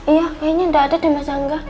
iya kayaknya gak ada deh mas angga